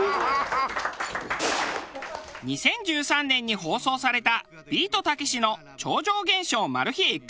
２０１３年に放送された『ビートたけしの超常現象マル秘Ｘファイル』。